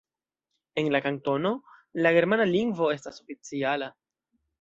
En la kantono, la germana lingvo estas oficiala.